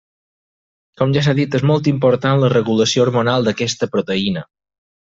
Com ja s'ha dit és molt important la regulació hormonal d'aquesta proteïna.